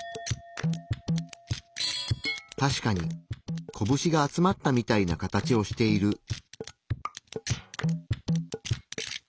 確かにこぶしが集まったみたいな形をしている。